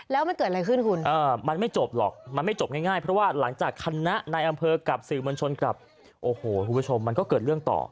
แล้วมันเกิดอะไรขึ้นคุณ